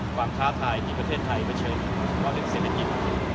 ความท้าทายที่ประเทศไทยเผชิญก็ถึงสิรรภ์เงียด